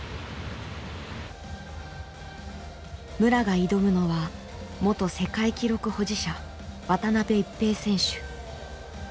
武良が挑むのは元世界記録保持者渡辺一平選手。